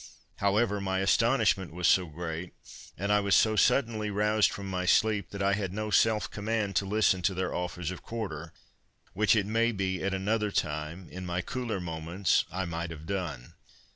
However, my astonishment was so great, and I was so suddenly roused from my sleep, that I had no self command to listen to their offers of quarter, which, it may be, at another time, in my cooler moments, I might have done.